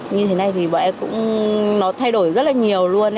như thế này bọn em cũng thay đổi rất là nhiều